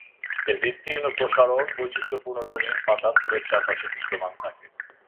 এর বিস্তীর্ণ প্রসারণ, বৈচিত্র্যপূর্ণ রঙিন পাতা ফুলের চারপাশে বিদ্যমান থাকে।